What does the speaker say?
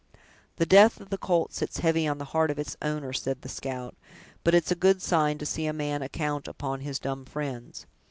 "The death of the colt sits heavy on the heart of its owner," said the scout; "but it's a good sign to see a man account upon his dumb friends.